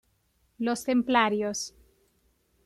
Los Templarios.